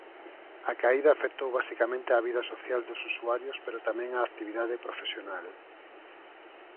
A caída afectou basicamente á vida social dos usuarios pero tamén á actividade profesional.